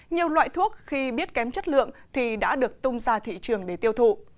nhiều loại thuốc khi biết kém chất lượng thì đã được tung ra thị trường để tiêu thụ